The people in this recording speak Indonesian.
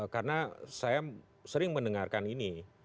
karena saya sering mendengarkan ini